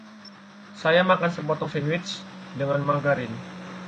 Saya makan sepotong sandwich dengan margarin.